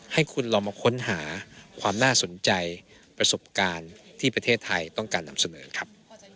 ให้คุณลองมาค้นหาความน่าสนใจประสบการณ์ที่ประเทศไทยต้องการนำเสนอครับ